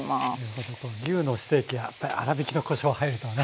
牛のステーキは粗びきのこしょう入るとね。